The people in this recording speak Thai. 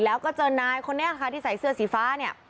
แล้วก็เจอนายคนนี้ค่ะที่ใส่เสื้อสีฟ้าเนี่ย